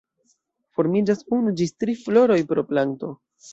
Formiĝas unu ĝis tri floroj pro planto.